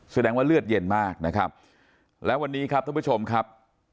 แสดงว่าเลือดเย็นมากนะครับแล้ววันนี้ครับท่านผู้ชมครับ